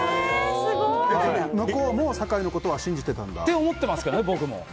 向こうも酒井のことをって思ってますけどね、僕も。